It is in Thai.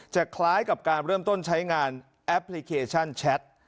คล้ายกับการเริ่มต้นใช้งานแอปพลิเคชันแชท